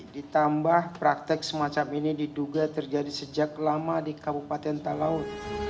ditambah praktek semacam ini diduga terjadi sejak lama di kabupaten talaut